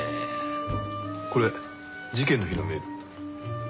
これ事件の日のメール。